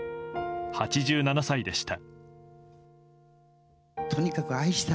８７歳でした。